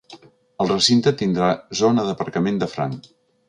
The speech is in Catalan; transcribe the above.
El recinte tindrà zona d’aparcament de franc.